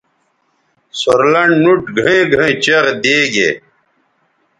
سور لنڈ نُوٹ گھئیں گھئیں چیغ دیگے